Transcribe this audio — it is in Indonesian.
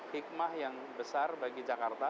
hikmah yang besar bagi jakarta